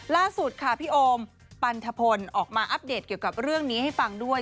ล่าสุดค่ะพี่โอมปันทพลออกมาอัปเดตเกี่ยวกับเรื่องนี้ให้ฟังด้วย